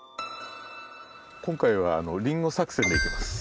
今回は「リンゴ作戦」でいきます。